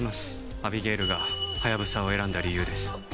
アビゲイルがハヤブサを選んだ理由です。